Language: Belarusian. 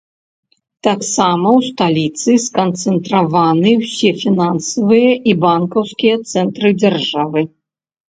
Таксама ў сталіцы сканцэнтраваны ўсе фінансавыя і банкаўскія цэнтры дзяржавы.